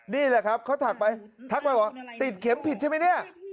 นี่แหละครับเขาทักไปทักไปว่าติดเข็มผิดใช่ไหมเนี่ย